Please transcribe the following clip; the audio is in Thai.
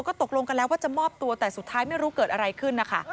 ก็ตกลงกันแล้วว่าจะมอบตัวแต่สุดท้ายไม่รู้เกิดอะไรขึ้นนะคะ